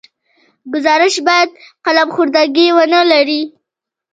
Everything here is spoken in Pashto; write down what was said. ګزارش باید قلم خوردګي ونه لري.